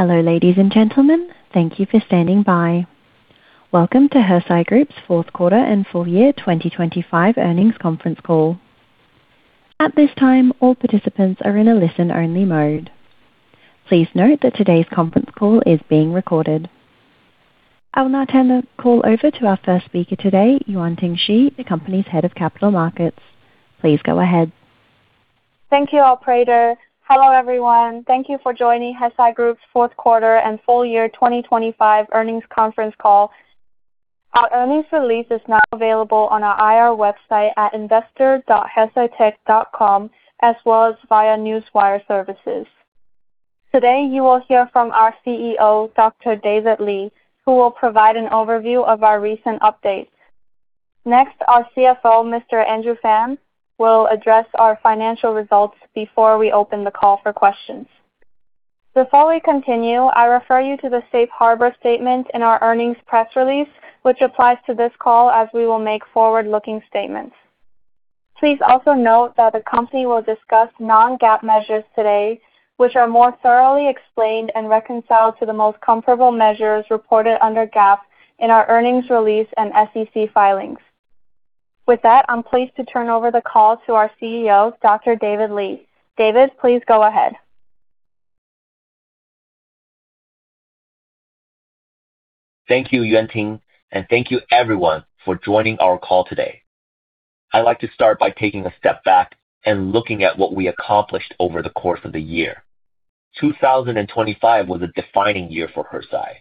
Hello, ladies and gentlemen. Thank you for standing by. Welcome to Hesai Group's fourth quarter and full year 2025 earnings conference call. At this time, all participants are in a listen-only mode. Please note that today's conference call is being recorded. I will now turn the call over to our first speaker today, Yuanting Shi, the company's Head of Capital Markets. Please go ahead. Thank you, operator. Hello, everyone. Thank you for joining Hesai Group's fourth quarter and full year 2025 earnings conference call. Our earnings release is now available on our IR website at investor.hesaitech.com, as well as via newswire services. Today, you will hear from our CEO, Dr. David Li, who will provide an overview of our recent updates. Next, our CFO, Mr. Andrew Fan, will address our financial results before we open the call for questions. Before we continue, I refer you to the safe harbor statement in our earnings press release, which applies to this call, as we will make forward-looking statements. Please also note that the company will discuss non-GAAP measures today, which are more thoroughly explained and reconciled to the most comparable measures reported under GAAP in our earnings release and SEC filings. With that, I'm pleased to turn over the call to our CEO, Dr. David Li. David, please go ahead. Thank you, Yuanting, and thank you everyone for joining our call today. I'd like to start by taking a step back and looking at what we accomplished over the course of the year. 2025 was a defining year for Hesai.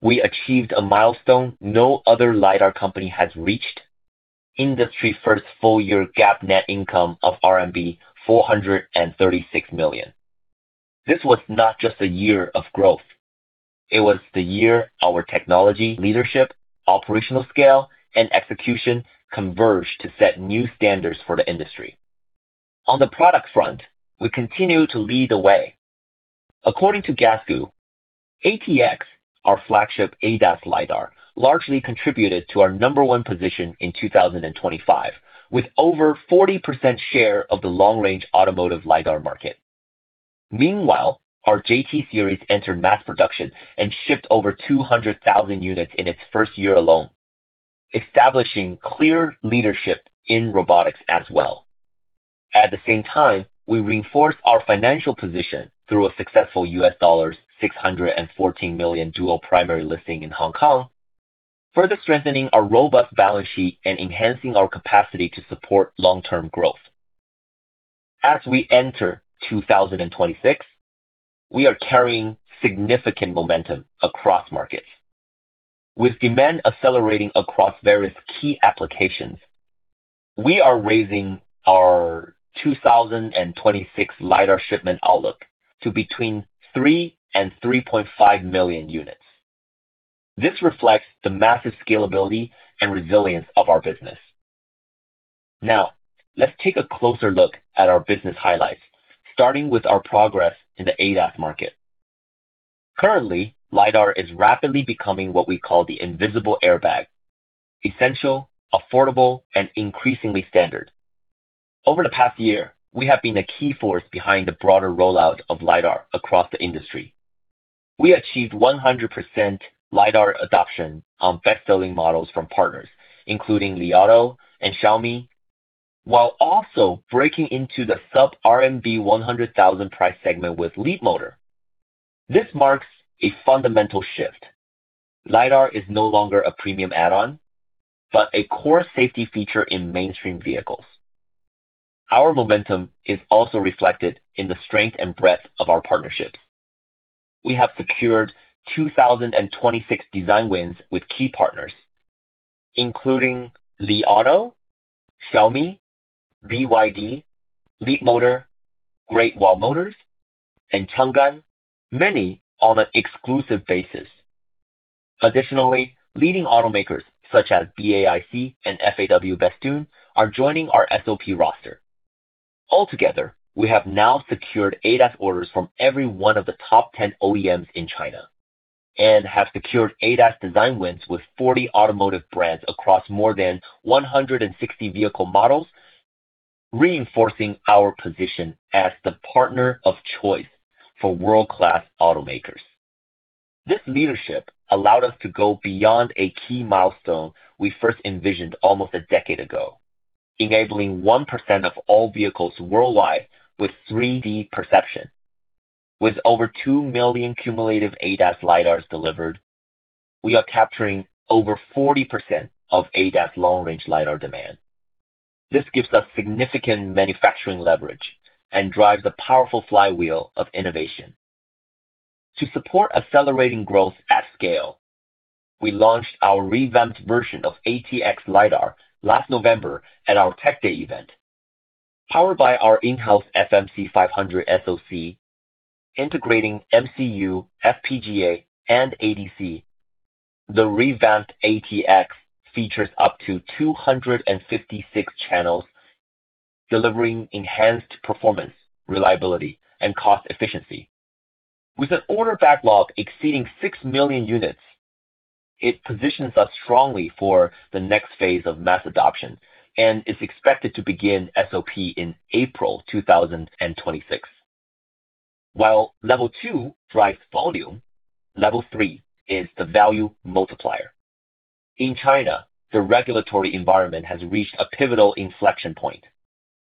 We achieved a milestone no other LiDAR company has reached. Industry's first full-year GAAP net income of RMB 436 million. This was not just a year of growth. It was the year our technology, leadership, operational scale, and execution converged to set new standards for the industry. On the product front, we continue to lead the way. According to Gasgoo, ATX, our flagship ADAS LiDAR, largely contributed to our number one position in 2025, with over 40% share of the long-range automotive LiDAR market. Meanwhile, our JT series entered mass production and shipped over 200,000 units in its first year alone, establishing clear leadership in robotics as well. At the same time, we reinforced our financial position through a successful $614 million dual primary listing in Hong Kong, further strengthening our robust balance sheet and enhancing our capacity to support long-term growth. As we enter 2026, we are carrying significant momentum across markets. With demand accelerating across various key applications, we are raising our 2026 LiDAR shipment outlook to between 3 million units and 3.5 million units. This reflects the massive scalability and resilience of our business. Now, let's take a closer look at our business highlights, starting with our progress in the ADAS market. Currently, LiDAR is rapidly becoming what we call the "invisible airbag," essential, affordable, and increasingly standard. Over the past year, we have been a key force behind the broader rollout of LiDAR across the industry. We achieved 100% LiDAR adoption on best-selling models from partners, including Li Auto and Xiaomi, while also breaking into the sub-RMB 100,000 price segment with Leapmotor. This marks a fundamental shift. LiDAR is no longer a premium add-on, but a core safety feature in mainstream vehicles. Our momentum is also reflected in the strength and breadth of our partnerships. We have secured 2,026 design wins with key partners, including Li Auto, Xiaomi, BYD, Leapmotor, Great Wall Motor, and Changan, many on an exclusive basis. Additionally, leading automakers such as BAIC and FAW Bestune are joining our SOP roster. Altogether, we have now secured ADAS orders from every one of the top 10 OEMs in China and have secured ADAS design wins with 40 automotive brands across more than 160 vehicle models, reinforcing our position as the partner of choice for world-class automakers. This leadership allowed us to go beyond a key milestone we first envisioned almost a decade ago, enabling 1% of all vehicles worldwide with 3D perception. With over 2 million cumulative ADAS LiDARs delivered, we are capturing over 40% of ADAS long-range LiDAR demand. This gives us significant manufacturing leverage and drives a powerful flywheel of innovation. To support accelerating growth at scale, we launched our revamped version of ATX LiDAR last November at our Tech Day event, powered by our in-house FMC500 SoC, integrating MCU, FPGA, and ADC. The revamped ATX features up to 256 channels, delivering enhanced performance, reliability, and cost efficiency. With an order backlog exceeding 6 million units, it positions us strongly for the next phase of mass adoption and is expected to begin SOP in April 2026. While Level 2 drives volume, Level 3 is the value multiplier. In China, the regulatory environment has reached a pivotal inflection point.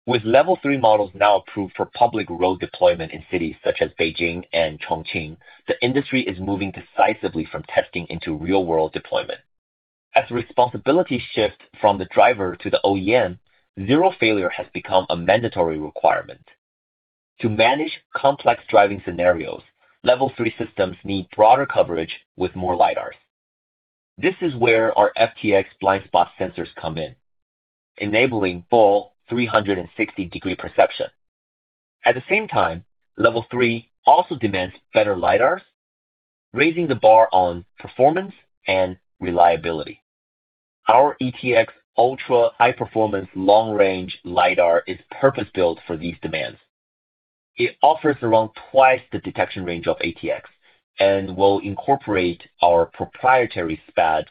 With Level 3 models now approved for public road deployment in cities such as Beijing and Chongqing, the industry is moving decisively from testing into real-world deployment. As responsibility shifts from the driver to the OEM, zero failure has become a mandatory requirement. To manage complex driving scenarios, Level 3 systems need broader coverage with more LiDARs. This is where our FTX blind spot sensors come in, enabling full 360-degree perception. At the same time, Level 3 also demands better LiDARs, raising the bar on performance and reliability. Our ETX ultra high-performance long-range LiDAR is purpose-built for these demands. It offers around twice the detection range of ATX and will incorporate our proprietary SPAD,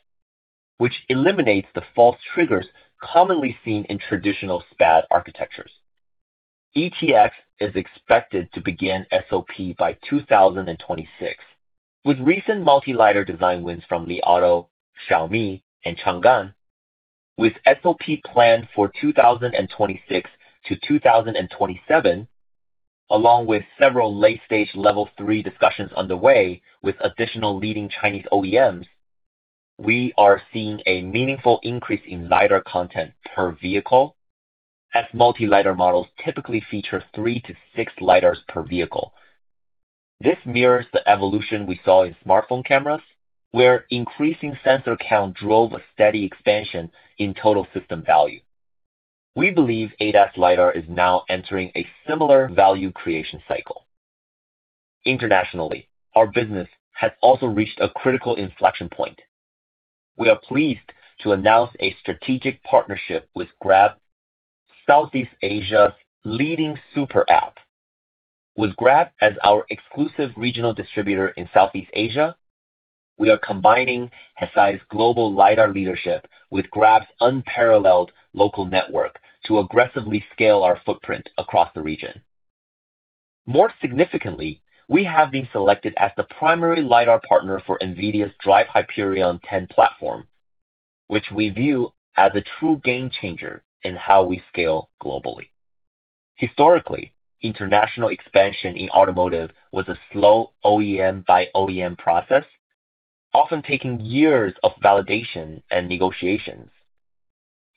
which eliminates the false triggers commonly seen in traditional SPAD architectures. ETX is expected to begin SOP by 2026, with recent multi-LiDAR design wins from Li Auto, Xiaomi, and Changan, with SOP planned for 2026-2027, along with several late-stage Level 3 discussions underway with additional leading Chinese OEMs, we are seeing a meaningful increase in LiDAR content per vehicle as multi-LiDAR models typically feature three to six LiDARs per vehicle. This mirrors the evolution we saw in smartphone cameras, where increasing sensor count drove a steady expansion in total system value. We believe ADAS LiDAR is now entering a similar value creation cycle. Internationally, our business has also reached a critical inflection point. We are pleased to announce a strategic partnership with Grab, Southeast Asia's leading super app. With Grab as our exclusive regional distributor in Southeast Asia, we are combining Hesai's global LiDAR leadership with Grab's unparalleled local network to aggressively scale our footprint across the region. More significantly, we have been selected as the primary LiDAR partner for NVIDIA's DRIVE Hyperion 10 platform, which we view as a true game changer in how we scale globally. Historically, international expansion in automotive was a slow OEM-by-OEM process, often taking years of validation and negotiations.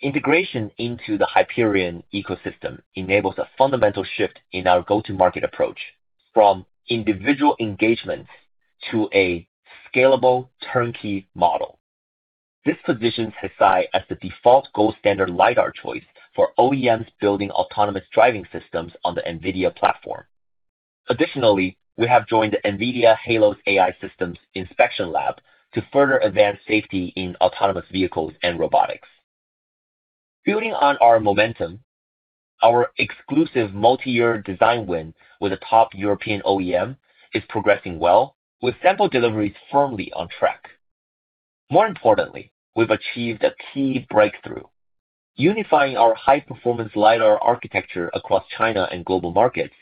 Integration into the Hyperion ecosystem enables a fundamental shift in our go-to-market approach from individual engagement to a scalable turnkey model. This positions Hesai as the default gold standard LiDAR choice for OEMs building autonomous driving systems on the NVIDIA platform. Additionally, we have joined the NVIDIA Halos AI Systems Inspection Lab to further advance safety in autonomous vehicles and robotics. Building on our momentum, our exclusive multi-year design win with a top European OEM is progressing well, with sample deliveries firmly on track. More importantly, we've achieved a key breakthrough unifying our high-performance LiDAR architecture across China and global markets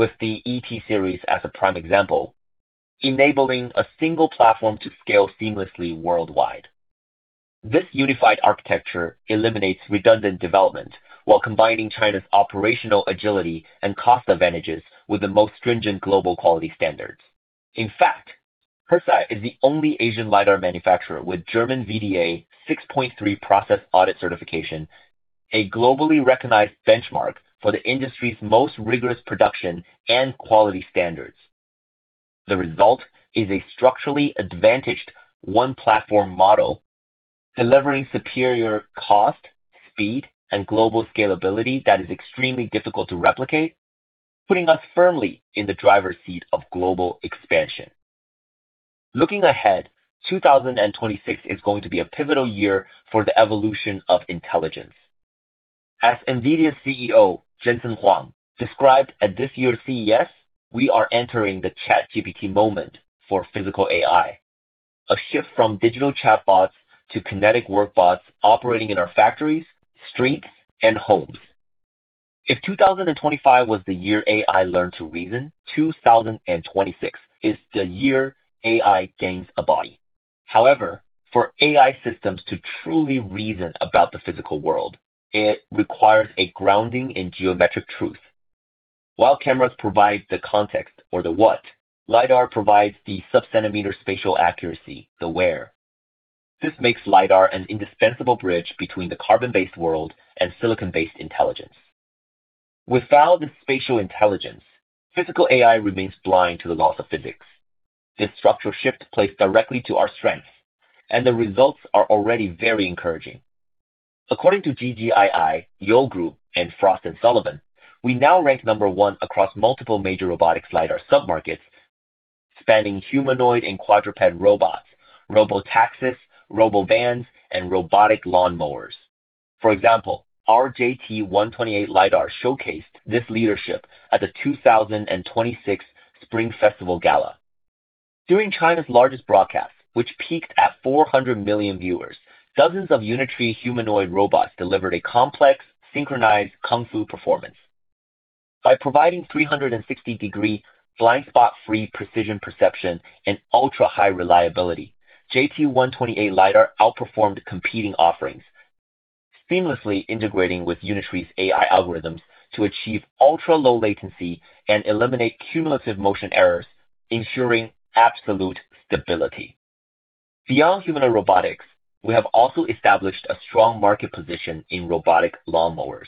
with the ET series as a prime example, enabling a single platform to scale seamlessly worldwide. This unified architecture eliminates redundant development while combining China's operational agility and cost advantages with the most stringent global quality standards. In fact, Hesai is the only Asian LiDAR manufacturer with German VDA 6.3 process audit certification, a globally recognized benchmark for the industry's most rigorous production and quality standards. The result is a structurally-advantaged one-platform model delivering superior cost, speed, and global scalability that is extremely difficult to replicate, putting us firmly in the driver's seat of global expansion. Looking ahead, 2026 is going to be a pivotal year for the evolution of intelligence. As NVIDIA CEO Jensen Huang described at this year's CES, we are entering the ChatGPT moment for physical AI, a shift from digital chatbots to kinetic work bots operating in our factories, streets, and homes. If 2025 was the year AI learned to reason, 2026 is the year AI gains a body. However, for AI systems to truly reason about the physical world, it requires a grounding in geometric truth. While cameras provide the context or the what, LiDAR provides the sub-centimeter spatial accuracy, the where. This makes LiDAR an indispensable bridge between the carbon-based world and silicon-based intelligence. Without the spatial intelligence, physical AI remains blind to the laws of physics. This structural shift plays directly to our strengths, and the results are already very encouraging. According to GGII, Yole Group, and Frost & Sullivan, we now rank number one across multiple major robotic LiDAR submarkets, spanning humanoid and quadruped robots, robotaxis, robovans, and robotic lawnmowers. For example, our JT128 LiDAR showcased this leadership at the 2026 Spring Festival Gala. During China's largest broadcast, which peaked at 400 million viewers, dozens of Unitree humanoid robots delivered a complex, synchronized kung fu performance. By providing 360-degree blind spot-free precision perception and ultra-high reliability, JT128 LiDAR outperformed competing offerings, seamlessly integrating with Unitree's AI algorithms to achieve ultra-low latency and eliminate cumulative motion errors, ensuring absolute stability. Beyond humanoid robotics, we have also established a strong market position in robotic lawnmowers.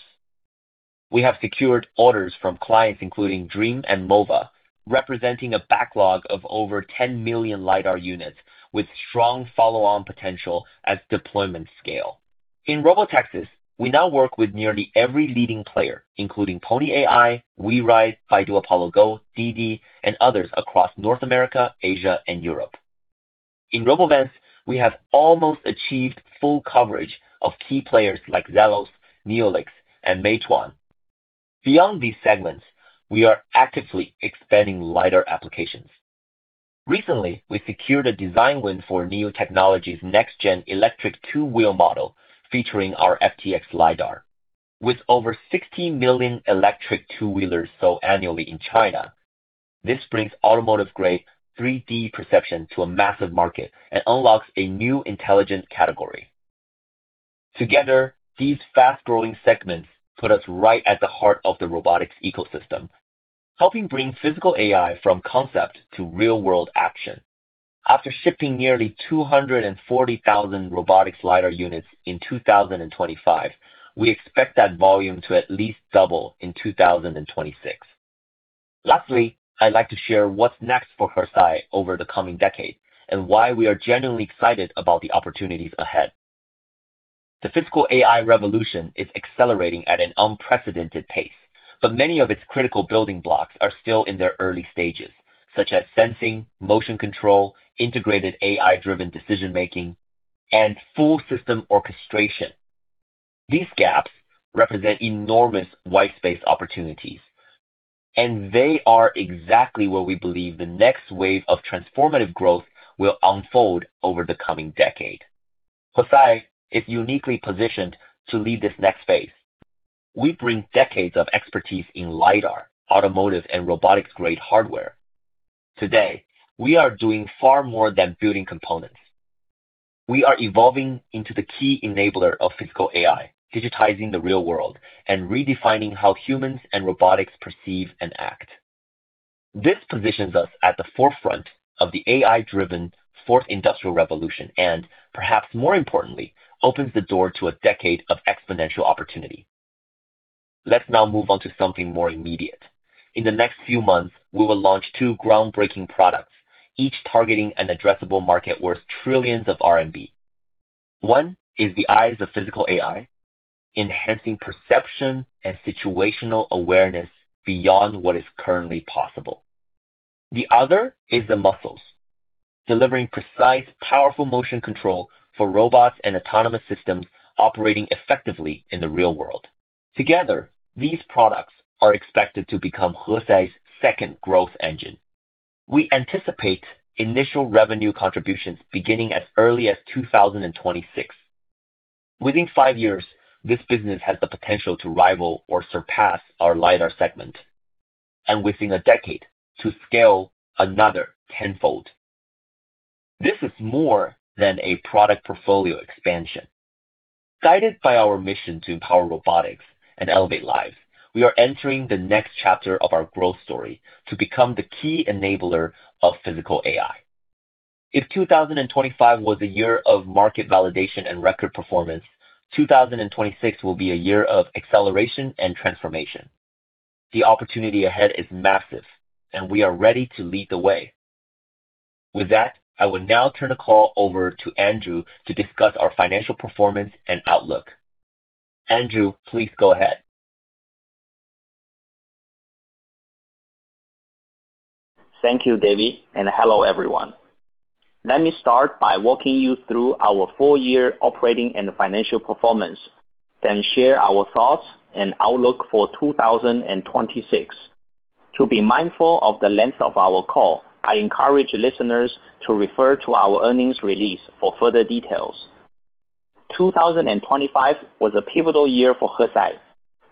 We have secured orders from clients including Dreame and MOVA, representing a backlog of over 10 million LiDAR units with strong follow-on potential as deployment scale. In robotaxis, we now work with nearly every leading player, including Pony.ai, WeRide, Baidu Apollo Go, Didi, and others across North America, Asia and Europe. In robovans, we have almost achieved full coverage of key players like Zelos, Neolix, and Meituan. Beyond these segments, we are actively expanding LiDAR applications. Recently, we secured a design win for NIU Technologies' next-gen electric two-wheel model featuring our FTX LiDAR. With over 60 million electric two-wheelers sold annually in China, this brings automotive-grade 3D perception to a massive market and unlocks a new intelligent category. Together, these fast-growing segments put us right at the heart of the robotics ecosystem, helping bring physical AI from concept to real-world action. After shipping nearly 240,000 robotics LiDAR units in 2025, we expect that volume to at least double in 2026. Lastly, I'd like to share what's next for Hesai over the coming decade and why we are genuinely excited about the opportunities ahead. The physical AI revolution is accelerating at an unprecedented pace, but many of its critical building blocks are still in their early stages, such as sensing, motion control, integrated AI-driven decision-making, and full system orchestration. These gaps represent enormous white space opportunities, and they are exactly where we believe the next wave of transformative growth will unfold over the coming decade. Hesai is uniquely positioned to lead this next phase. We bring decades of expertise in LiDAR, automotive, and robotics-grade hardware. Today, we are doing far more than building components. We are evolving into the key enabler of physical AI, digitizing the real world and redefining how humans and robotics perceive and act. This positions us at the forefront of the AI-driven Fourth Industrial Revolution and, perhaps more importantly, opens the door to a decade of exponential opportunity. Let's now move on to something more immediate. In the next few months, we will launch two groundbreaking products, each targeting an addressable market worth trillions of renminbi. One is the eyes of physical AI, enhancing perception and situational awareness beyond what is currently possible. The other is the muscles, delivering precise, powerful motion control for robots and autonomous systems operating effectively in the real world. Together, these products are expected to become Hesai's second growth engine. We anticipate initial revenue contributions beginning as early as 2026. Within five years, this business has the potential to rival or surpass our LiDAR segment, and within a decade to scale another tenfold. This is more than a product portfolio expansion. Guided by our mission to empower robotics and elevate lives, we are entering the next chapter of our growth story to become the key enabler of physical AI. If 2025 was a year of market validation and record performance, 2026 will be a year of acceleration and transformation. The opportunity ahead is massive, and we are ready to lead the way. With that, I will now turn the call over to Andrew to discuss our financial performance and outlook. Andrew, please go ahead. Thank you, David, and hello, everyone. Let me start by walking you through our full-year operating and financial performance, then share our thoughts and outlook for 2026. To be mindful of the length of our call, I encourage listeners to refer to our earnings release for further details. Twenty twenty-five was a pivotal year for Hesai,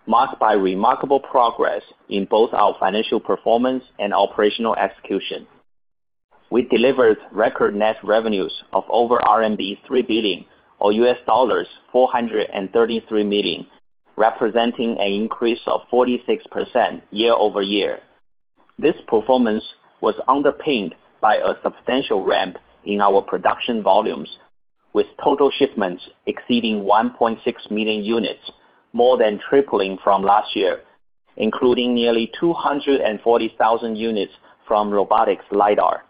marked by remarkable progress in both our financial performance and operational execution. We delivered record net revenues of over RMB 3 billion, or $433 million, representing an increase of 46% year-over-year. This performance was underpinned by a substantial ramp in our production volumes, with total shipments exceeding 1.6 million units, more than tripling from last year, including nearly 240,000 units from robotics LiDAR.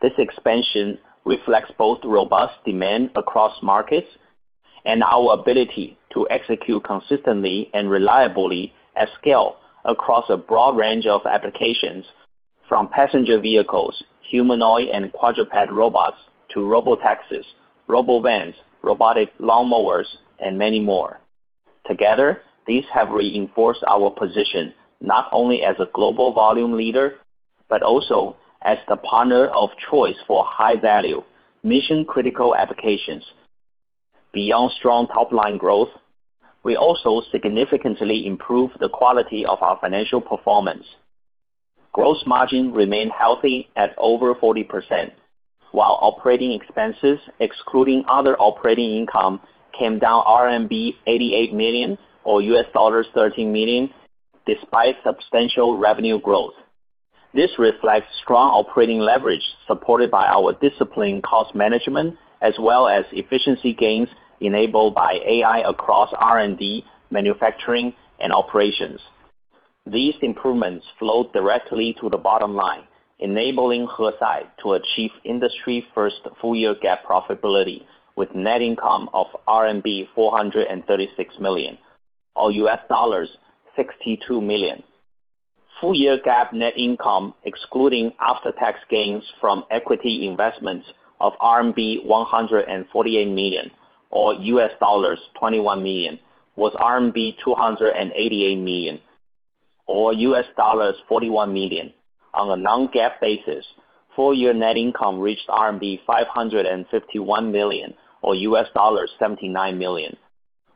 This expansion reflects both robust demand across markets and our ability to execute consistently and reliably at scale across a broad range of applications. From passenger vehicles, humanoid and quadruped robots to robotaxis, robovans, robotic lawnmowers, and many more. Together, these have reinforced our position not only as a global volume leader, but also as the partner of choice for high value mission-critical applications. Beyond strong top-line growth, we also significantly improved the quality of our financial performance. Gross margin remained healthy at over 40%, while operating expenses excluding other operating income came down RMB 88 million or $13 million despite substantial revenue growth. This reflects strong operating leverage supported by our disciplined cost management as well as efficiency gains enabled by AI across R&D, manufacturing and operations. These improvements flow directly to the bottom line, enabling Hesai to achieve industry-first full-year GAAP profitability with net income of RMB 436 million or $62 million. Full-year GAAP net income excluding after-tax gains from equity investments of RMB 148 million or $21 million was RMB 288 million or $41 million. On a non-GAAP basis, full-year net income reached RMB 551 million or $79 million,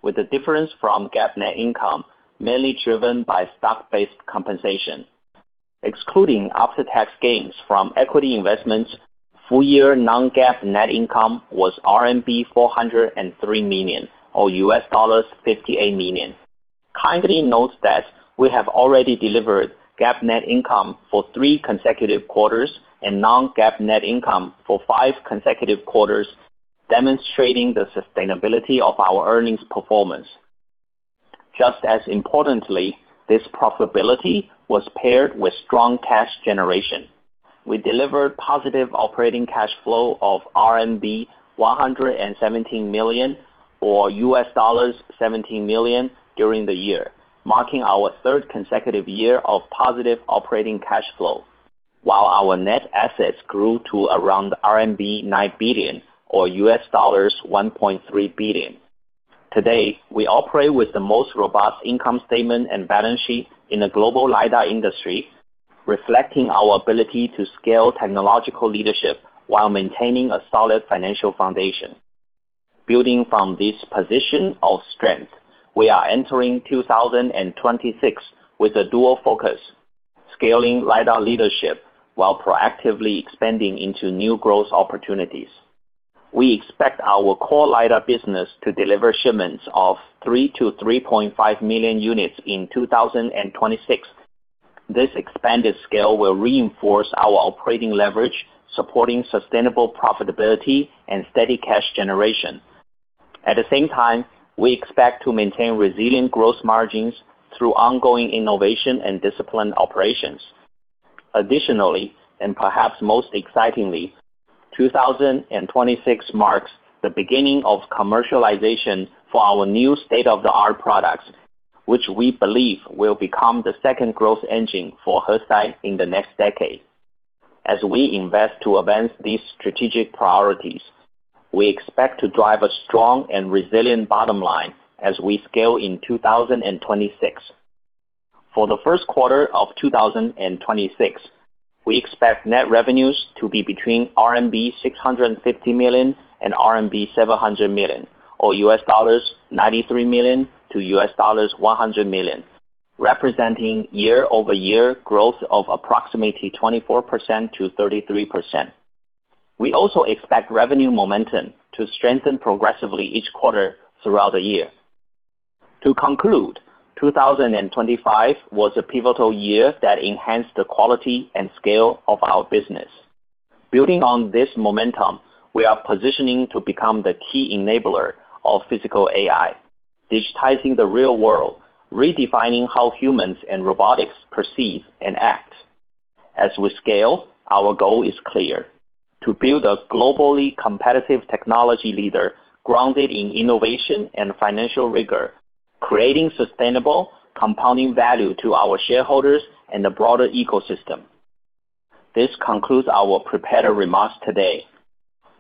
with the difference from GAAP net income mainly driven by stock-based compensation. Excluding after-tax gains from equity investments, full-year non-GAAP net income was RMB 403 million or $58 million. Kindly note that we have already delivered GAAP net income for three consecutive quarters and non-GAAP net income for five consecutive quarters, demonstrating the sustainability of our earnings performance. Just as importantly, this profitability was paired with strong cash generation. We delivered positive operating cash flow of RMB 117 million or $17 million during the year, marking our third consecutive year of positive operating cash flow, while our net assets grew to around RMB 9 billion or $1.3 billion. Today, we operate with the most robust income statement and balance sheet in the global LiDAR industry, reflecting our ability to scale technological leadership while maintaining a solid financial foundation. Building from this position of strength, we are entering 2026 with a dual focus, scaling LiDAR leadership while proactively expanding into new growth opportunities. We expect our core LiDAR business to deliver shipments of 3 million units-3.5 million units in 2026. This expanded scale will reinforce our operating leverage, supporting sustainable profitability and steady cash generation. At the same time, we expect to maintain resilient growth margins through ongoing innovation and disciplined operations. Additionally, and perhaps most excitingly, 2026 marks the beginning of commercialization for our new state-of-the-art products, which we believe will become the second growth engine for Hesai in the next decade. As we invest to advance these strategic priorities, we expect to drive a strong and resilient bottom line as we scale in 2026. For the first quarter of 2026, we expect net revenues to be between RMB 650 million and RMB 700 million or $93 million-$100 million, representing year-over-year growth of approximately 24%-33%. We also expect revenue momentum to strengthen progressively each quarter throughout the year. To conclude, 2025 was a pivotal year that enhanced the quality and scale of our business. Building on this momentum, we are positioning to become the key enabler of physical AI, digitizing the real world, redefining how humans and robotics perceive and act. As we scale, our goal is clear: to build a globally competitive technology leader grounded in innovation and financial rigor, creating sustainable compounding value to our shareholders and the broader ecosystem. This concludes our prepared remarks today.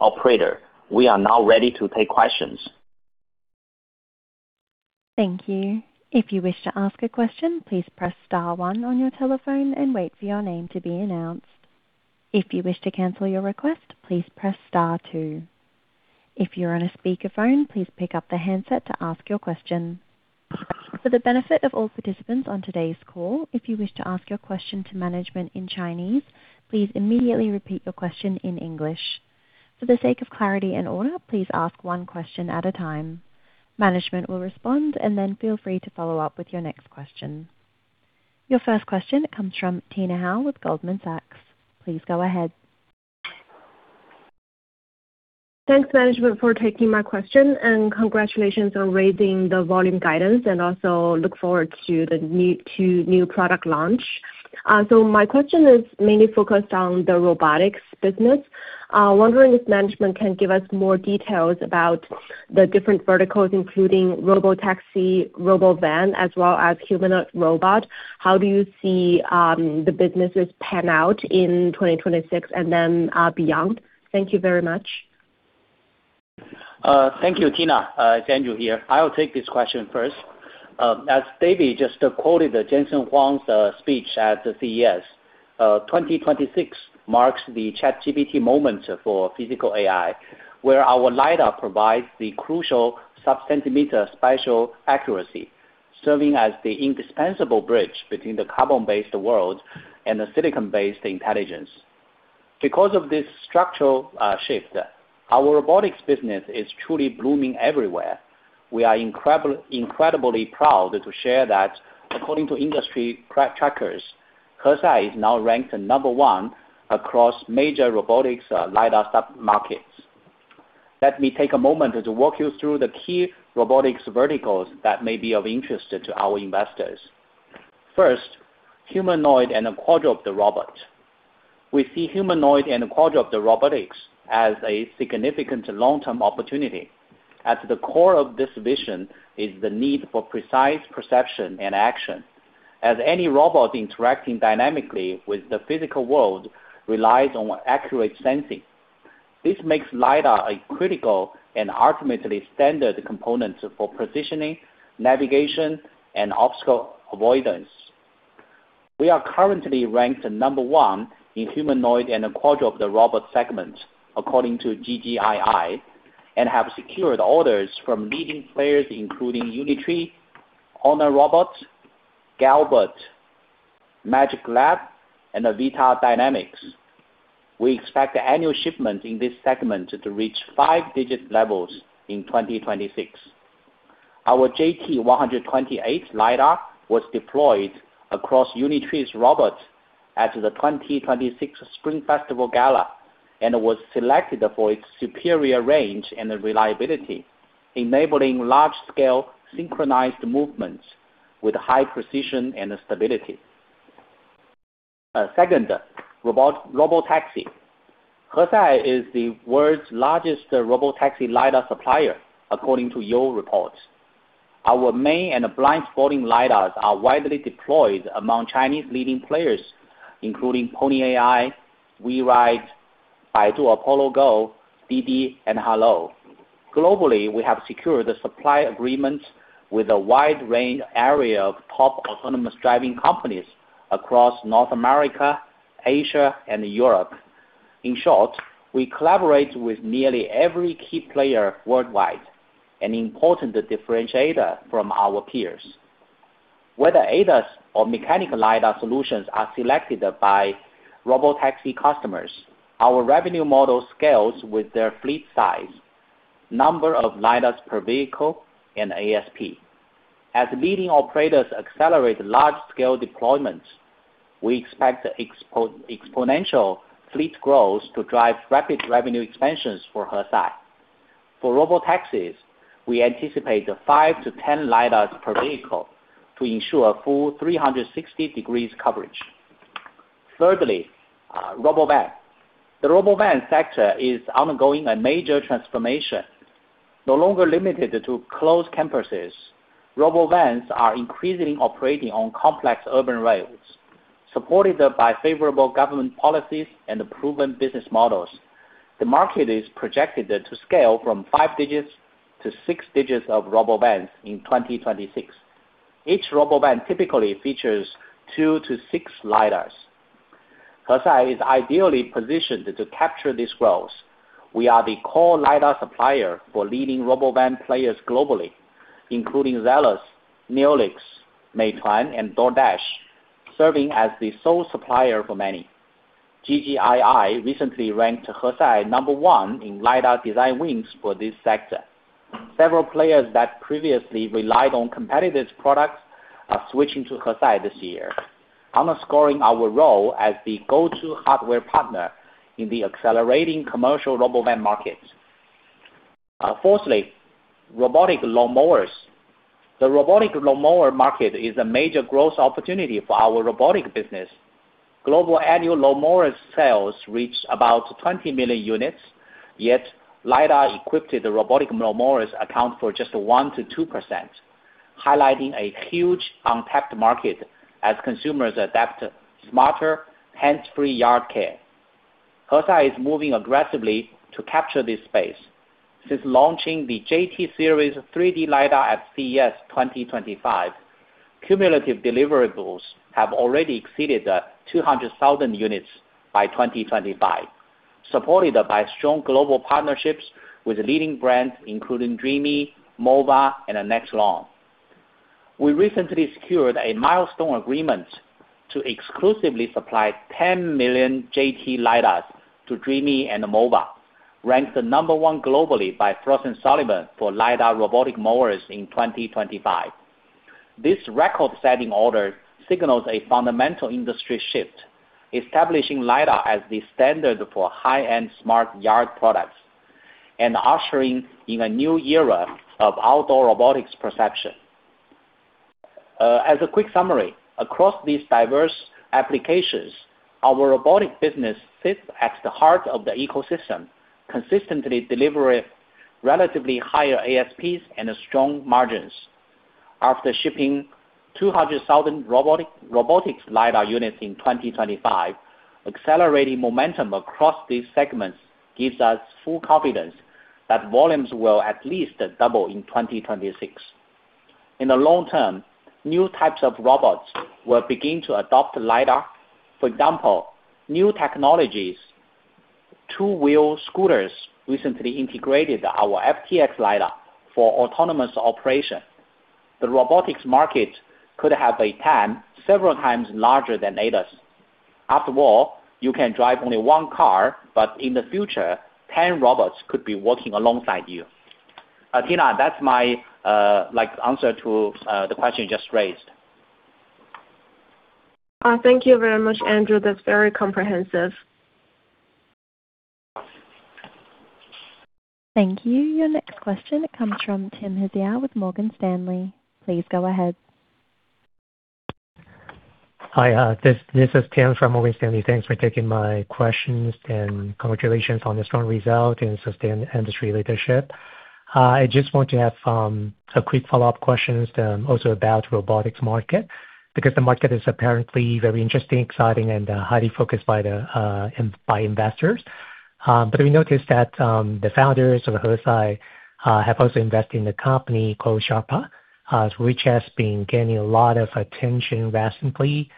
Operator, we are now ready to take questions. Thank you. If you wish to ask a question, please press star one on your telephone and wait for your name to be announced. If you wish to cancel your request, please press star two. If you're on a speakerphone, please pick up the handset to ask your question. For the benefit of all participants on today's call, if you wish to ask your question to management in Chinese, please immediately repeat your question in English. For the sake of clarity and order, please ask one question at a time. Management will respond and then feel free to follow up with your next question. Your first question comes from Tina Hou with Goldman Sachs. Please go ahead. Thanks management for taking my question and congratulations on raising the volume guidance and also look forward to new product launch. My question is mainly focused on the Robotics business. Wondering if management can give us more details about the different verticals, including robotaxi, robovan, as well as humanoid robot. How do you see the businesses pan out in 2026 and then beyond? Thank you very much. Thank you, Tina. It's Andrew here. I'll take this question first. As David just quoted Jensen Huang's speech at the CES, 2026 marks the ChatGPT moment for physical AI, where our LiDAR provides the crucial sub-centimeter spatial accuracy, serving as the indispensable bridge between the carbon-based world and the silicon-based intelligence. Because of this structural shift, our Robotics business is truly blooming everywhere. We are incredibly proud to share that according to industry trackers, Hesai is now ranked number one across major robotics LiDAR submarkets. Let me take a moment to walk you through the key robotics verticals that may be of interest to our investors. First, humanoid and quadrupedal robot. We see humanoid and quadrupedal robotics as a significant long-term opportunity. At the core of this vision is the need for precise perception and action, as any robot interacting dynamically with the physical world relies on accurate sensing. This makes LiDAR a critical and ultimately standard component for positioning, navigation, and obstacle avoidance. We are currently ranked number one in humanoid and quadrupedal robot segments, according to GGII, and have secured orders from leading players including Unitree, HONOR Robot, Galbot, MagicLab, and Vita Dynamics. We expect annual shipment in this segment to reach five-digit levels in 2026. Our JT128 LiDAR was deployed across Unitree's robot at the 2026 Spring Festival Gala, and was selected for its superior range and reliability, enabling large-scale synchronized movements with high precision and stability. Second, robotaxi. Hesai is the world's largest robotaxi LiDAR supplier, according to Yole report. Our main and blind-spot LiDARs are widely deployed among Chinese leading players, including Pony.ai, WeRide, Baidu Apollo Go, DiDi, and Hello. Globally, we have secured supply agreements with a wide range of top autonomous driving companies across North America, Asia, and Europe. In short, we collaborate with nearly every key player worldwide, an important differentiator from our peers. Whether ADAS or mechanical LiDAR solutions are selected by robotaxi customers, our revenue model scales with their fleet size, number of LiDARs per vehicle, and ASP. As leading operators accelerate large-scale deployments, we expect exponential fleet growth to drive rapid revenue expansions for Hesai. For robotaxis, we anticipate five to 10 LiDARs per vehicle to ensure full 360-degree coverage. Thirdly, robovan. The robovan sector is undergoing a major transformation. No longer limited to closed campuses, robovans are increasingly operating on complex urban roads. Supported by favorable government policies and proven business models, the market is projected to scale from five digits to six digits of robovans in 2026. Each robovan typically features two to six LiDARs. Hesai is ideally positioned to capture this growth. We are the core LiDAR supplier for leading robovan players globally, including Zelos, Neolix, Meituan, and DoorDash, serving as the sole supplier for many. GGII recently ranked Hesai number one in LiDAR design wins for this sector. Several players that previously relied on competitors' products are switching to Hesai this year, underscoring our role as the go-to hardware partner in the accelerating commercial robovan market. Fourthly, robotic lawn mowers. The robotic lawn mower market is a major growth opportunity for our Robotics business. Global annual lawn mower sales reach about 20 million units, yet LiDAR-equipped robotic lawn mowers account for just 1%-2%, highlighting a huge untapped market as consumers adapt smarter, hands-free yard care. Hesai is moving aggressively to capture this space. Since launching the JT series 3D LiDAR at CES 2025, cumulative deliverables have already exceeded 200,000 units by 2025, supported by strong global partnerships with leading brands including Dreame, MOVA, and NexLawn. We recently secured a milestone agreement to exclusively supply 10 million JT LiDARs to Dreame and MOVA, ranked number one globally by Frost & Sullivan for LiDAR robotic mowers in 2025. This record-setting order signals a fundamental industry shift, establishing LiDAR as the standard for high-end smart yard products and ushering in a new era of outdoor robotics perception. As a quick summary, across these diverse applications, our robotic business sits at the heart of the ecosystem, consistently delivering relatively higher ASPs and strong margins. After shipping 200,000 robotics LiDAR units in 2025, accelerating momentum across these segments gives us full confidence that volumes will at least double in 2026. In the long term, new types of robots will begin to adopt LiDAR. For example, new technologies two-wheel scooters recently integrated our FTX LiDAR for autonomous operation. The robotics market could have a TAM several times larger than ADAS. After all, you can drive only one car, but in the future, 10 robots could be working alongside you. Tina, that's my like answer to the question you just raised. Thank you very much, Andrew. That's very comprehensive. Thank you. Your next question comes from Tim Hsiao with Morgan Stanley. Please go ahead. Hi, this is Tim from Morgan Stanley. Thanks for taking my questions, and congratulations on the strong result and sustained industry leadership. I just want to have a quick follow-up questions, also about robotics market, because the market is apparently very interesting, exciting, and highly focused by investors. We noticed that the founders of Hesai have also invested in the company called Sharpa, which has been gaining a lot of attention recently.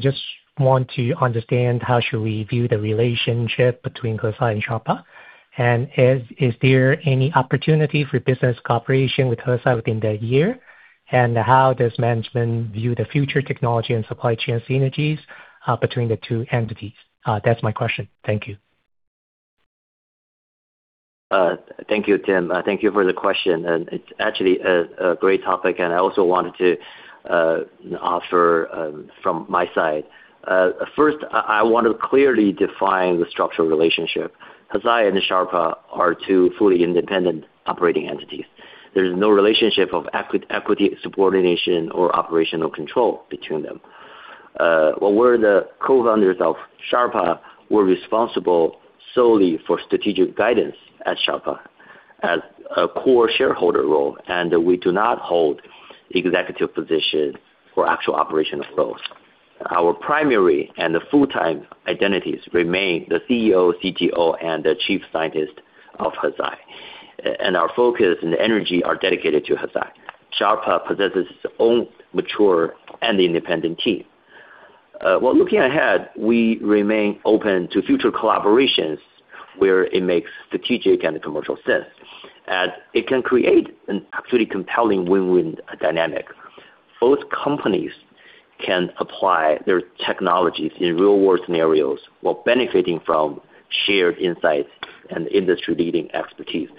Just want to understand how should we view the relationship between Hesai and Sharpa, and is there any opportunity for business cooperation with Hesai within the year, and how does management view the future technology and supply chain synergies between the two entities? That's my question. Thank you. Thank you, Tim. Thank you for the question. It's actually a great topic. I also wanted to offer from my side. First, I want to clearly define the structural relationship. Hesai and Sharpa are two fully independent operating entities. There's no relationship of equity, subordination or operational control between them. While we're the co-founders of Sharpa, we're responsible solely for strategic guidance at Sharpa as a core shareholder role, and we do not hold executive position or actual operational roles. Our primary and the full-time identities remain the CEO, CTO, and the Chief Scientist of Hesai, and our focus and energy are dedicated to Hesai. Sharpa possesses its own mature and independent team. While looking ahead, we remain open to future collaborations where it makes strategic and commercial sense, as it can create an absolutely compelling win-win dynamic. Both companies can apply their technologies in real-world scenarios while benefiting from shared insights and industry-leading expertise.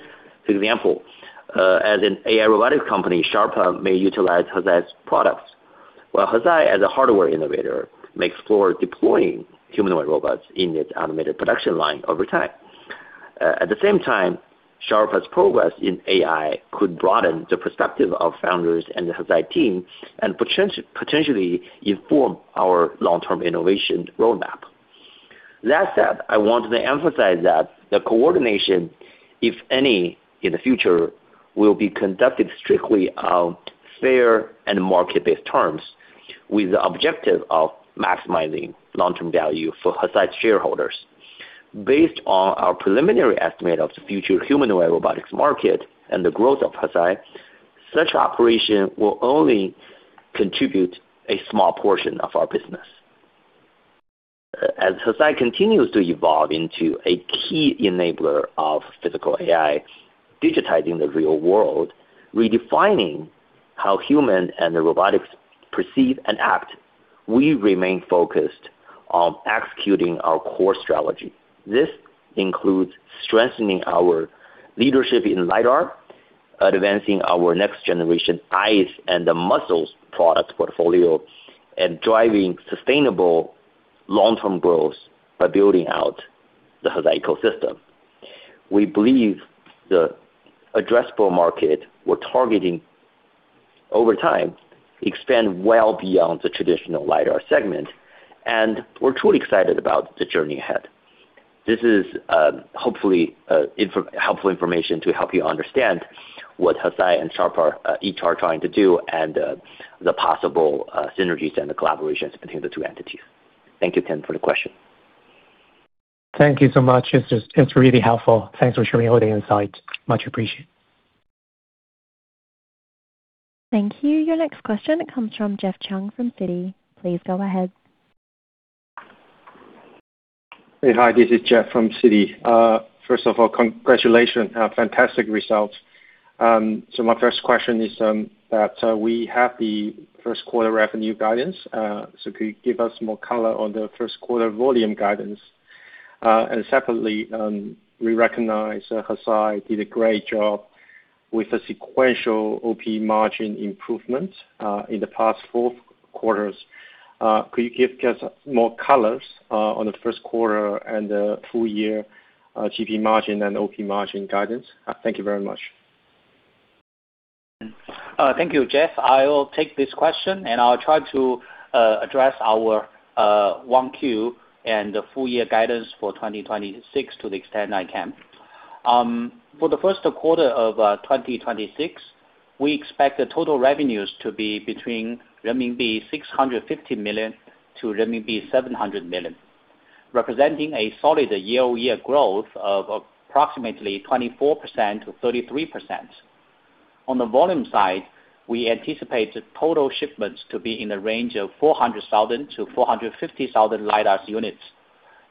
For example, as an AI robotics company, Sharpa may utilize Hesai's products, while Hesai, as a hardware innovator, may explore deploying humanoid robots in its automated production line over time. At the same time, Sharpa's progress in AI could broaden the perspective of founders and the Hesai team and potentially inform our long-term innovation roadmap. That said, I want to emphasize that the coordination, if any, in the future, will be conducted strictly on fair and market-based terms, with the objective of maximizing long-term value for Hesai's shareholders. Based on our preliminary estimate of the future humanoid robotics market and the growth of Hesai, such operation will only contribute a small portion of our business. As Hesai continues to evolve into a key enabler of physical AI, digitizing the real world, redefining how humans and robots perceive and act, we remain focused on executing our core strategy. This includes strengthening our leadership in LiDAR, advancing our next generation eyes and the muscles product portfolio, and driving sustainable long-term growth by building out the Hesai ecosystem. We believe the addressable market we're targeting over time expand well beyond the traditional LiDAR segment, and we're truly excited about the journey ahead. This is hopefully helpful information to help you understand what Hesai and Sharpa each are trying to do and the possible synergies and the collaborations between the two entities. Thank you, Tim, for the question. Thank you so much. It's just, it's really helpful. Thanks for sharing all the insights. Much appreciated. Thank you. Your next question comes from Jeff Chung from Citi. Please go ahead. Hey, hi. This is Jeff Chung from Citi. First of all, congratulations on a fantastic result. My first question is that we have the first quarter revenue guidance. Could you give us more color on the first quarter volume guidance? Separately, we recognize Hesai did a great job with a sequential OP margin improvement in the past four quarters. Could you give us more colors on the first quarter and full year GP margin and OP margin guidance? Thank you very much. Thank you, Jeff. I will take this question, and I'll try to address our 1Q and the full-year guidance for 2026 to the extent I can. For the first quarter of 2026, we expect the total revenues to be between renminbi 650 million to renminbi 700 million, representing a solid year-over-year growth of approximately 24%-33%. On the volume side, we anticipate the total shipments to be in the range of 400,000 to 450,000 LiDAR units,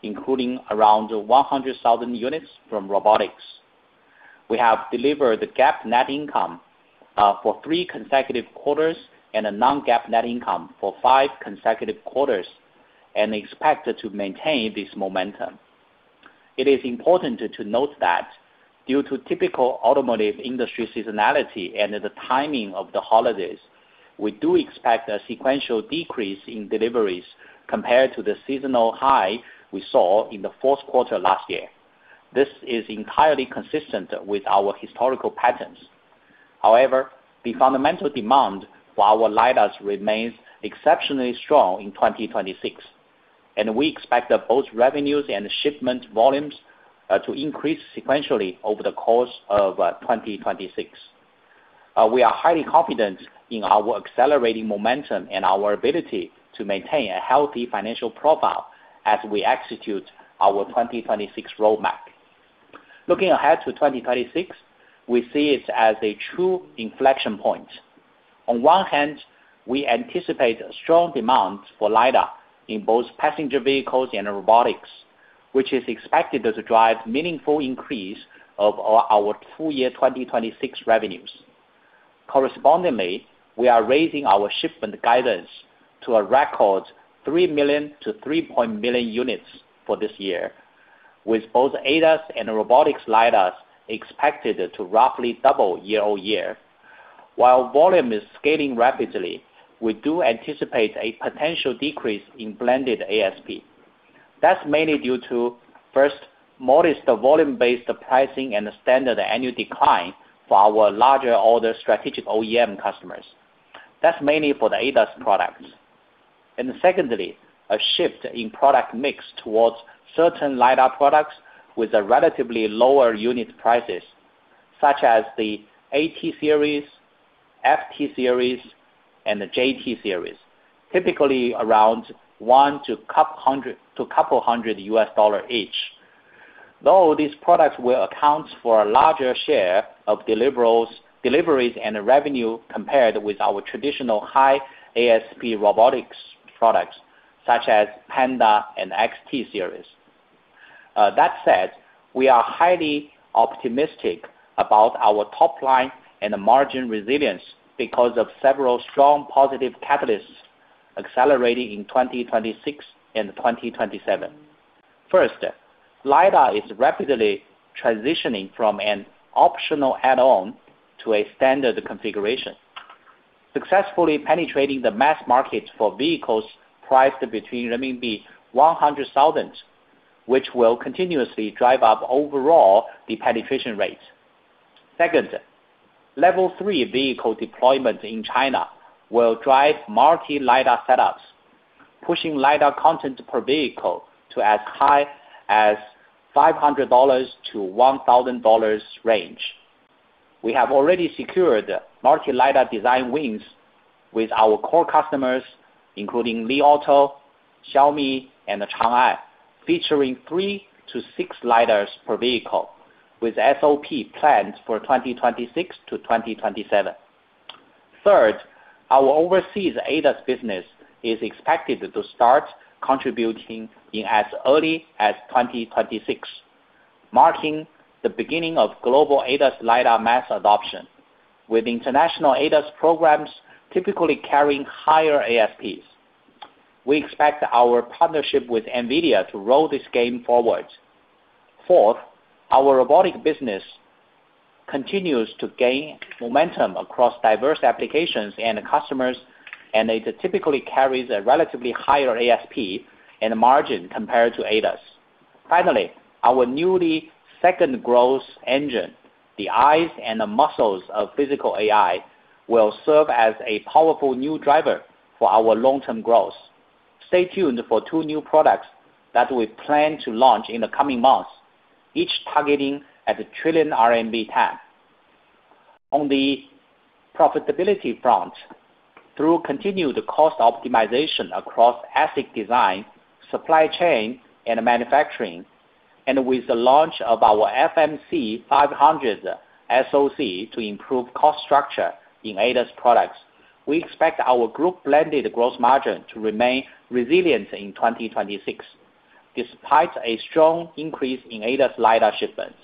including around 100,000 units from Robotics. We have delivered the GAAP net income for three consecutive quarters and a non-GAAP net income for five consecutive quarters, and expect to maintain this momentum. It is important to note that due to typical automotive industry seasonality and the timing of the holidays, we do expect a sequential decrease in deliveries compared to the seasonal high we saw in the fourth quarter last year. This is entirely consistent with our historical patterns. However, the fundamental demand for our LiDARs remains exceptionally strong in 2026, and we expect that both revenues and shipment volumes to increase sequentially over the course of 2026. We are highly confident in our accelerating momentum and our ability to maintain a healthy financial profile as we execute our 2026 roadmap. Looking ahead to 2026, we see it as a true inflection point. On one hand, we anticipate strong demand for LiDAR in both passenger vehicles and robotics, which is expected to drive meaningful increase of our full year 2026 revenues. Correspondingly, we are raising our shipment guidance to a record 3 million to 3.5 million units for this year, with both ADAS and Robotics LiDARs expected to roughly double year-on-year. While volume is scaling rapidly, we do anticipate a potential decrease in blended ASP. That's mainly due to, first, modest volume-based pricing and standard annual decline for our larger order strategic OEM customers. That's mainly for the ADAS products. Secondly, a shift in product mix towards certain LiDAR products with a relatively lower unit prices, such as the AT series, FT series, and the JT series, typically around $100 to a couple hundred U.S. dollars each. Though these products will account for a larger share of deliverables, deliveries, and revenue compared with our traditional high-ASP robotics products, such as Pandar and XT series. That said, we are highly optimistic about our top line and the margin resilience because of several strong positive catalysts accelerating in 2026 and 2027. First, LiDAR is rapidly transitioning from an optional add-on to a standard configuration, successfully penetrating the mass market for vehicles priced between 100,000, which will continuously drive up overall the penetration rates. Second, Level 3 vehicle deployment in China will drive multi-LiDAR setups, pushing LiDAR content per vehicle to as high as $500-$1,000 range. We have already secured multi-LiDAR design wins with our core customers, including Li Auto, Xiaomi, and Changan, featuring 3-6 LiDARs per vehicle, with SOP plans for 2026-2027. Third, our overseas ADAS business is expected to start contributing in as early as 2026, marking the beginning of global ADAS LiDAR mass adoption, with international ADAS programs typically carrying higher ASPs. We expect our partnership with NVIDIA to roll this game forward. Fourth, our robotic business continues to gain momentum across diverse applications and customers, and it typically carries a relatively higher ASP and margin compared to ADAS. Finally, our new second growth engine, the eyes and the muscles of physical AI, will serve as a powerful new driver for our long-term growth. Stay tuned for two new products that we plan to launch in the coming months, each targeting a 1 trillion RMB TAM. On the profitability front, through continued cost optimization across ASIC design, supply chain and manufacturing, and with the launch of our FMC500 SoC to improve cost structure in ADAS products, we expect our group blended gross margin to remain resilient in 2026, despite a strong increase in ADAS LiDAR shipments.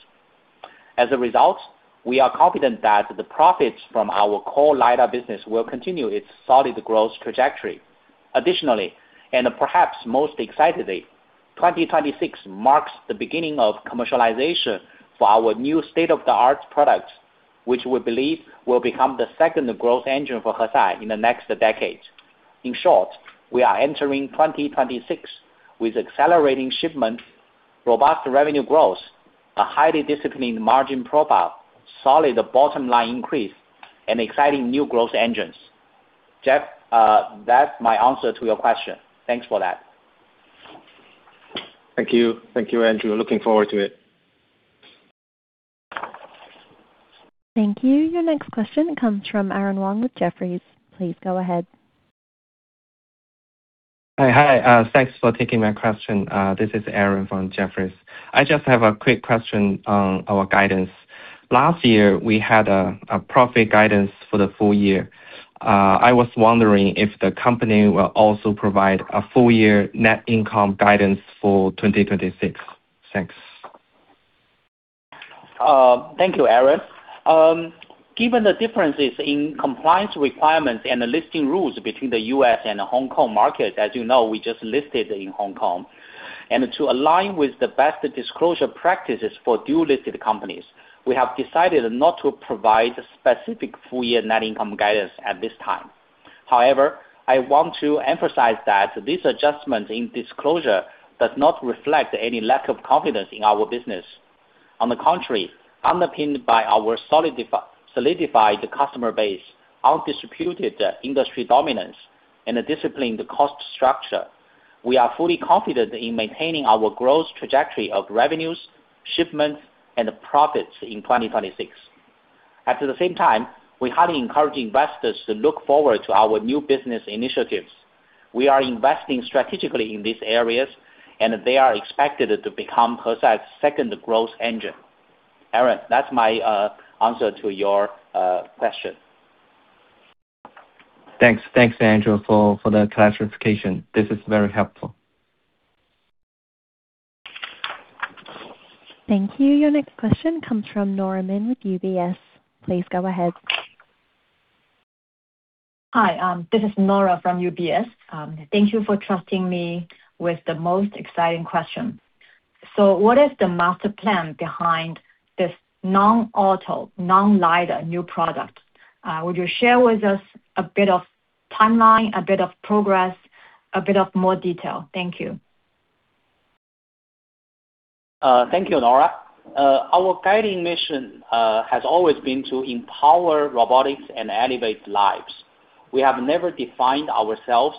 As a result, we are confident that the profits from our core LiDAR business will continue its solid growth trajectory. Additionally, and perhaps most excitedly, 2026 marks the beginning of commercialization for our new state-of-the-art products, which we believe will become the second growth engine for Hesai in the next decade. In short, we are entering 2026 with accelerating shipment, robust revenue growth, a highly disciplined margin profile, solid bottom-line increase, and exciting new growth engines. Jeff, that's my answer to your question. Thanks for that. Thank you. Thank you, Andrew. Looking forward to it. Thank you. Your next question comes from Aaron Wang with Jefferies. Please go ahead. Hi. Thanks for taking my question. This is Aaron from Jefferies. I just have a quick question on our guidance. Last year, we had a profit guidance for the full year. I was wondering if the company will also provide a full year net income guidance for 2026. Thanks. Thank you, Aaron. Given the differences in compliance requirements and the listing rules between the U.S. and Hong Kong market, as you know, we just listed in Hong Kong. To align with the best disclosure practices for dual-listed companies, we have decided not to provide specific full-year net income guidance at this time. However, I want to emphasize that this adjustment in disclosure does not reflect any lack of confidence in our business. On the contrary, underpinned by our solidified customer base, undisputed industry dominance, and a disciplined cost structure, we are fully confident in maintaining our growth trajectory of revenues, shipments, and profits in 2026. At the same time, we highly encourage investors to look forward to our new business initiatives. We are investing strategically in these areas, and they are expected to become Hesai's second growth engine. Aaron, that's my answer to your question. Thanks. Thanks, Andrew, for the clarification. This is very helpful. Thank you. Your next question comes from Nora Min with UBS. Please go ahead. Hi, this is Nora from UBS. Thank you for trusting me with the most exciting question. What is the master plan behind this non-auto, non-LiDAR new product? Would you share with us a bit of timeline, a bit of progress, a bit of more detail? Thank you. Thank you, Nora. Our guiding mission has always been to empower robotics and elevate lives. We have never defined ourselves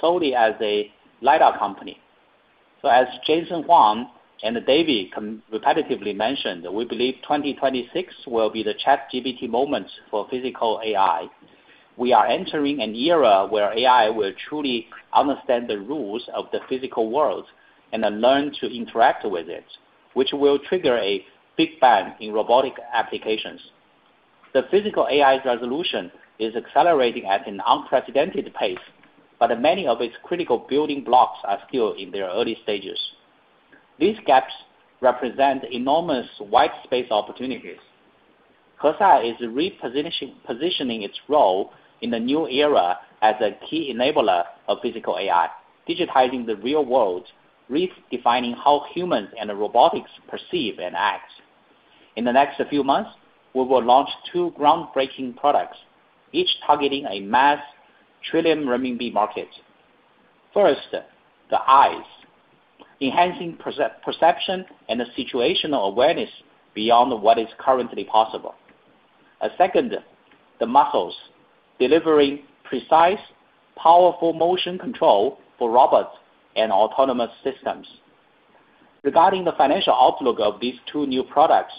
solely as a LiDAR company. As Jensen Huang and David repetitively mentioned, we believe 2026 will be the ChatGPT moment for physical AI. We are entering an era where AI will truly understand the rules of the physical world and then learn to interact with it, which will trigger a big bang in robotic applications. The physical AI's resolution is accelerating at an unprecedented pace, but many of its critical building blocks are still in their early stages. These gaps represent enormous white space opportunities. Hesai is repositioning its role in the new era as a key enabler of physical AI, digitizing the real world, redefining how humans and robotics perceive and act. In the next few months, we will launch two groundbreaking products, each targeting a massive trillion-renminbi market. First, the eyes, enhancing perception and situational awareness beyond what is currently possible. Second, the muscles, delivering precise, powerful motion control for robots and autonomous systems. Regarding the financial outlook of these two new products,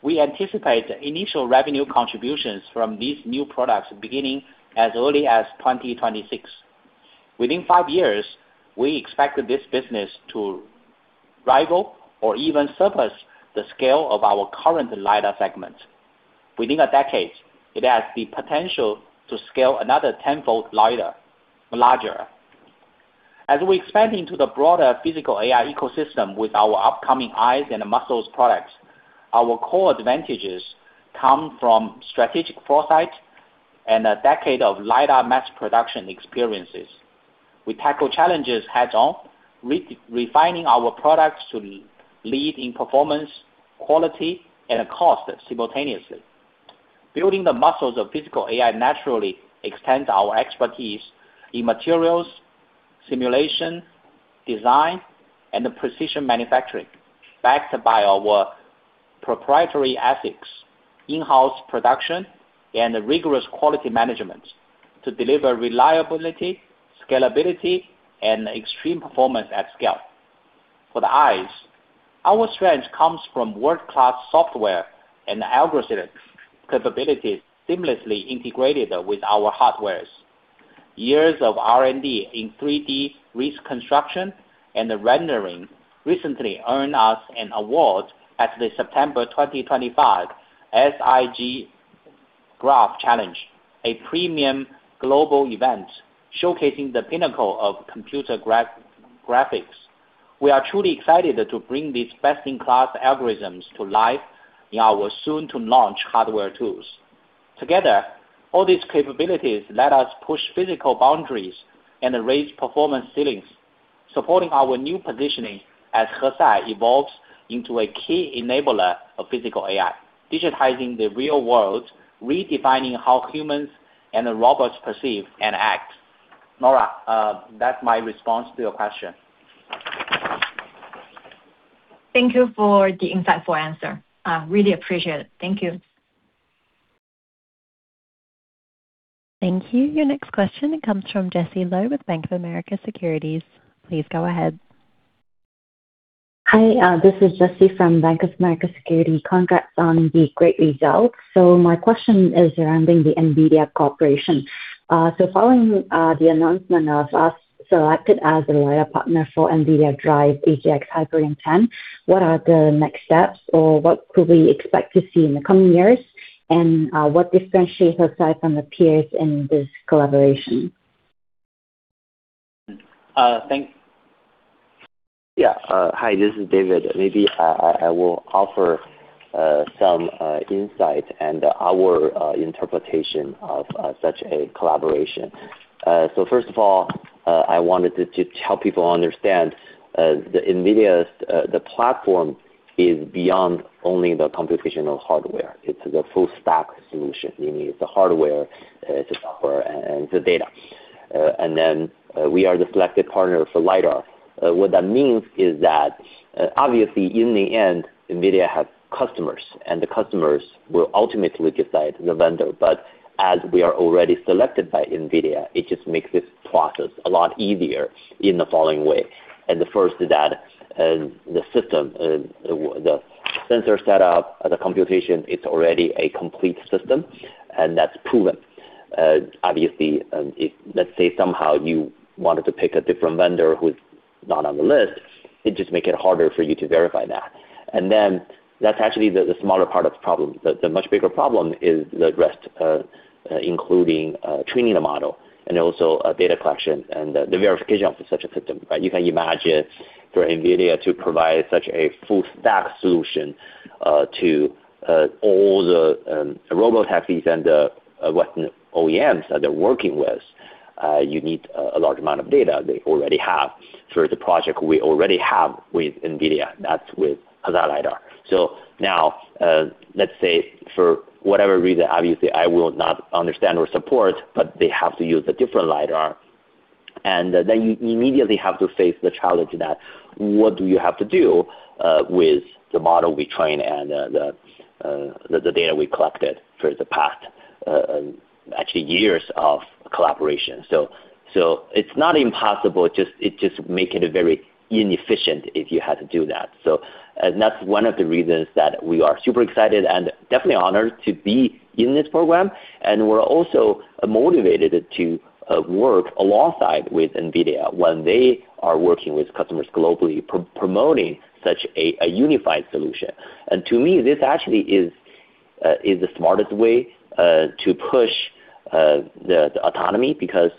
we anticipate initial revenue contributions from these new products beginning as early as 2026. Within five years, we expect this business to rival or even surpass the scale of our current LiDAR segment. Within a decade, it has the potential to scale another tenfold lighter, larger. As we expand into the broader physical AI ecosystem with our upcoming eyes and muscles products, our core advantages come from strategic foresight and a decade of LiDAR mass production experiences. We tackle challenges heads-on, refining our products to lead in performance, quality, and cost simultaneously. Building the muscles of physical AI naturally extends our expertise in materials, simulation, design, and precision manufacturing, backed by our proprietary IP, in-house production, and rigorous quality management to deliver reliability, scalability, and extreme performance at scale. For the eyes, our strength comes from world-class software and algorithmic capabilities seamlessly integrated with our hardware. Years of R&D in 3D reconstruction and rendering recently earned us an award at the September 2025 SIGGRAPH Challenge, a premium global event showcasing the pinnacle of computer graphics. We are truly excited to bring these best-in-class algorithms to life in our soon-to-launch hardware tools. Together, all these capabilities let us push physical boundaries and raise performance ceilings, supporting our new positioning as Hesai evolves into a key enabler of physical AI, digitizing the real world, redefining how humans and robots perceive and act. Nora, that's my response to your question. Thank you for the insightful answer. I really appreciate it. Thank you. Thank you. Your next question comes from Jessie Lo with BofA Securities. Please go ahead. Hi, this is Jessie from BofA Securities. Congrats on the great results. My question is surrounding the NVIDIA Corporation. Following the announcement of us selected as a LiDAR partner for NVIDIA DRIVE AGX Hyperion 10, what are the next steps or what could we expect to see in the coming years? What differentiates us aside from the peers in this collaboration? Hi, this is David. Maybe I will offer some insight and our interpretation of such a collaboration. First of all, I wanted to help people understand NVIDIA's platform is beyond only the computational hardware. It's the full stack solution, meaning it's the hardware, the software and the data. We are the selected partner for LiDAR. What that means is that, obviously, in the end, NVIDIA have customers, and the customers will ultimately decide the vendor. As we are already selected by NVIDIA, it just makes this process a lot easier in the following way. The first is that, the system, the sensor setup, the computation, it's already a complete system, and that's proven. Obviously, if let's say somehow you wanted to pick a different vendor who's not on the list, it just make it harder for you to verify that. That's actually the smaller part of the problem. The much bigger problem is the rest, including training the model and also data collection and the verification of such a system, right? You can imagine for NVIDIA to provide such a full stack solution to all the robotaxis and what OEMs that they're working with, you need a large amount of data they already have. Through the project we already have with NVIDIA, that's with Hesai LiDAR. Now, let's say, for whatever reason, obviously, I will not understand or support, but they have to use a different LiDAR. You immediately have to face the challenge that what do you have to do with the model we trained and the data we collected for the past actually years of collaboration. It's not impossible. It just makes it very inefficient if you had to do that. That's one of the reasons that we are super excited and definitely honored to be in this program. We're also motivated to work alongside with NVIDIA when they are working with customers globally promoting such a unified solution. To me, this actually is the smartest way to push the autonomy because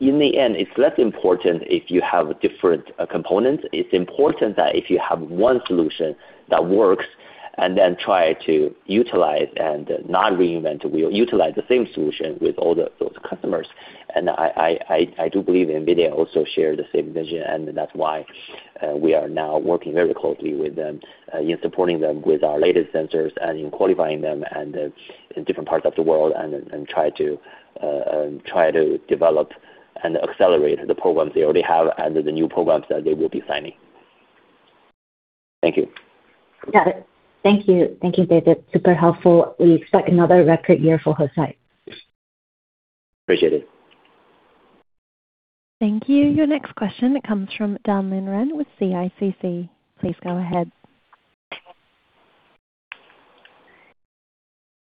in the end, it's less important if you have different components. It's important that if you have one solution that works and then try to utilize and not reinvent the wheel, utilize the same solution with all those customers. I do believe NVIDIA also share the same vision, and that's why we are now working very closely with them in supporting them with our latest sensors and in qualifying them in different parts of the world and try to develop and accelerate the programs they already have and the new programs that they will be signing. Thank you. Got it. Thank you. Thank you, David. Super helpful. We expect another record year for Hesai. Appreciate it. Thank you. Your next question comes from Dan Lin with CICC. Please go ahead.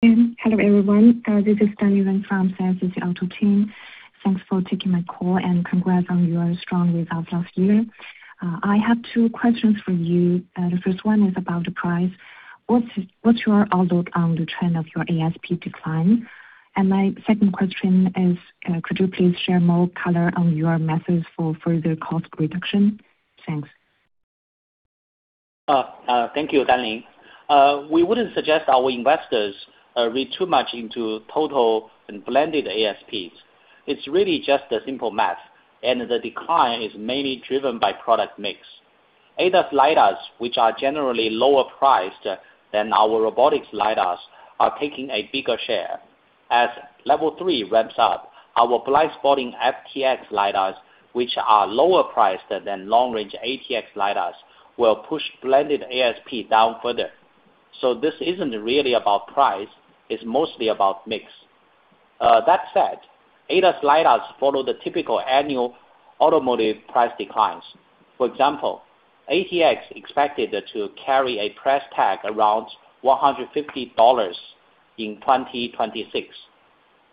Hello, everyone. This is Dan Lin from CICC Auto Team. Thanks for taking my call, and congrats on your strong results last year. I have two questions for you. The first one is about the price. What's your outlook on the trend of your ASP decline? My second question is, could you please share more color on your methods for further cost reduction? Thanks. Thank you, Dan Lin. We wouldn't suggest our investors read too much into total and blended ASPs. It's really just a simple math, and the decline is mainly driven by product mix. ADAS LiDARs, which are generally lower priced than our Robotics LiDARs, are taking a bigger share. As Level 3 ramps up, our blind spot FTX LiDARs, which are lower priced than long-range ATX LiDARs, will push blended ASP down further. This isn't really about price, it's mostly about mix. That said, ADAS LiDARs follow the typical annual automotive price declines. For example, ATX expected to carry a price tag around $150 in 2026,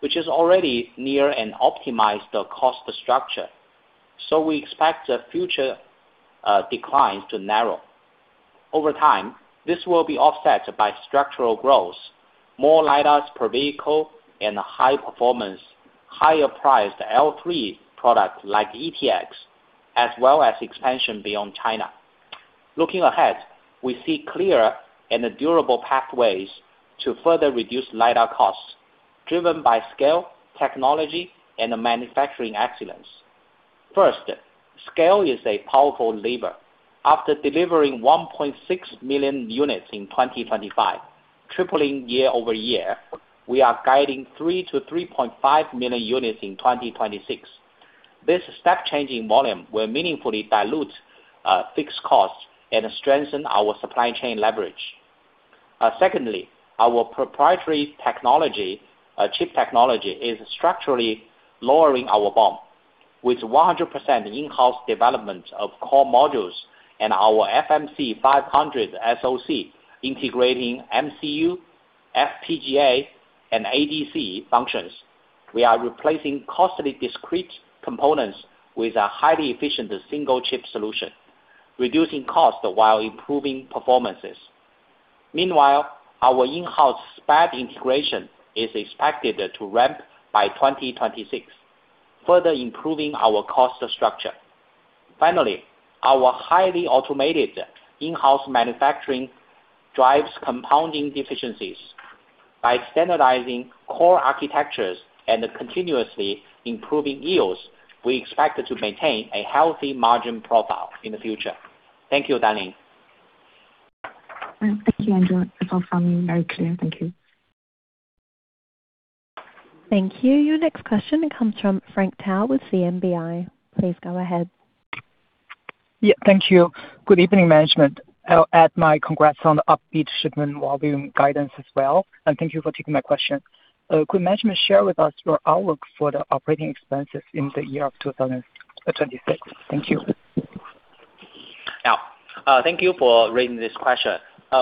which is already near an optimized cost structure. We expect the future declines to narrow. Over time, this will be offset by structural growth, more LiDARs per vehicle and high performance, higher-priced L3 products like ETX, as well as expansion beyond China. Looking ahead, we see clear and durable pathways to further reduce LiDAR costs, driven by scale, technology and manufacturing excellence. First, scale is a powerful lever. After delivering 1.6 million units in 2025, tripling year-over-year, we are guiding 3 million units-3.5 million units in 2026. This step change in volume will meaningfully dilute fixed costs and strengthen our supply chain leverage. Secondly, our proprietary technology, chip technology is structurally lowering our BOM with 100% in-house development of core modules and our FMC500 SoC integrating MCU, FPGA, and ADC functions. We are replacing costly discrete components with a highly efficient single-chip solution, reducing cost while improving performances. Meanwhile, our in-house SPAD integration is expected to ramp by 2026, further improving our cost structure. Finally, our highly automated in-house manufacturing drives compounding efficiencies. By standardizing core architectures and continuously improving yields, we expect to maintain a healthy margin profile in the future. Thank you, Dan Lin. Thank you, Andrew. It's all sounding very clear. Thank you. Thank you. Your next question comes from Frank Tao with CMBI. Please go ahead. Yeah, thank you. Good evening, management. I'll add my congrats on the upbeat shipment volume guidance as well. Thank you for taking my question. Could management share with us your outlook for the operating expenses in the year of 2026? Thank you. Thank you for raising this question.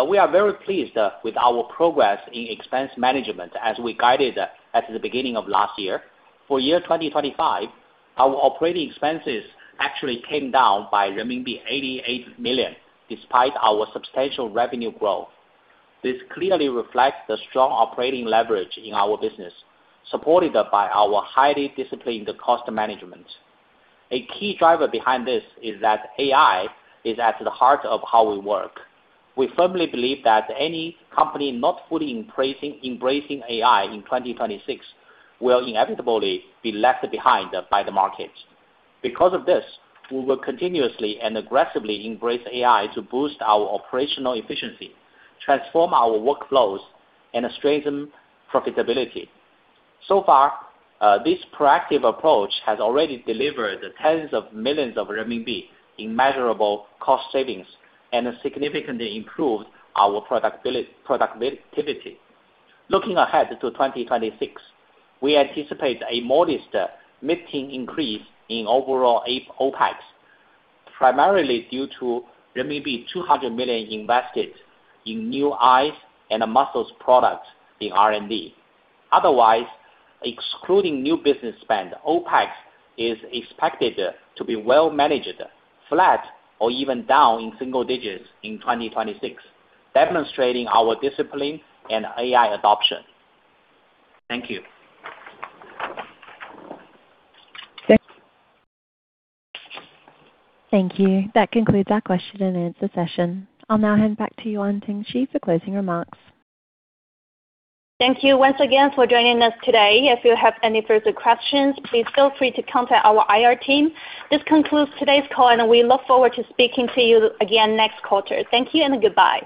We are very pleased with our progress in expense management as we guided at the beginning of last year. For year 2025, our operating expenses actually came down by renminbi 88 million despite our substantial revenue growth. This clearly reflects the strong operating leverage in our business, supported by our highly disciplined cost management. A key driver behind this is that AI is at the heart of how we work. We firmly believe that any company not fully embracing AI in 2026 will inevitably be left behind by the market. Because of this, we will continuously and aggressively embrace AI to boost our operational efficiency, transform our workflows, and strengthen profitability. So far, this proactive approach has already delivered tens of millions of renminbi in measurable cost savings and significantly improved our productivity. Looking ahead to 2026, we anticipate a modest mid-teen increase in overall OpEx, primarily due to renminbi 200 million invested in new ICE and modules products in R&D. Otherwise, excluding new business spend, OpEx is expected to be well managed, flat or even down in single digits in 2026, demonstrating our discipline and AI adoption. Thank you. Thank you. That concludes our question-and-answer session. I'll now hand back to Yuanting Shi for closing remarks. Thank you once again for joining us today. If you have any further questions, please feel free to contact our IR team. This concludes today's call, and we look forward to speaking to you again next quarter. Thank you and goodbye.